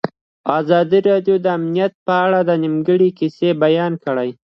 ازادي راډیو د امنیت په اړه د نېکمرغۍ کیسې بیان کړې.